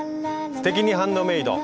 「すてきにハンドメイド」